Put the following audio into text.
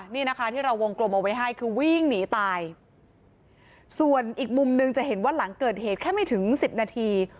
นี่นะคะที่เราวงกลมเอาไว้ให้คือวิ่งหนีตายส่วนอีกมุมหนึ่งจะเห็นว่าหลังเกิดเหตุแค่ไม่ถึงสิบนาที